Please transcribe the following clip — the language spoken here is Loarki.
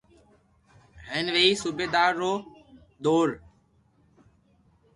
ھين وئي صوبيدار رو نو ر